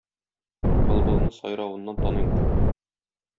Былбылны сайравыннан таныйлар.